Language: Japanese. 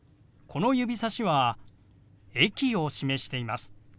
この指さしは駅を示しています。